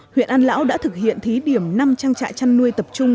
huyện an lão đã thực hiện thí điểm năm trang trại chăn nuôi tập trung